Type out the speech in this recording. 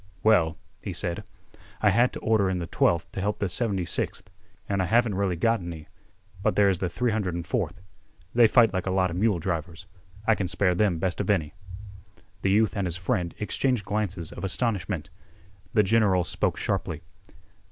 "Well," he said, "I had to order in th' 12th to help th' 76th, an' I haven't really got any. But there's th' 304th. They fight like a lot 'a mule drivers. I can spare them best of any." The youth and his friend exchanged glances of astonishment. The general spoke sharply.